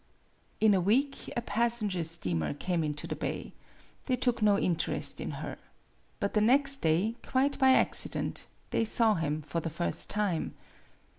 IN a week a passenger steamer came into the bay. They took no interest in her. But the next day, quite by accident, they saw him for the first time.